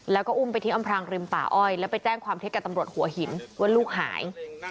แล้วก็อุ้มไปทิ้งอำพรางริมป่าอ้อยแล้วไปแจ้งความเท็จกับตำรวจหัวหินว่าลูกหาย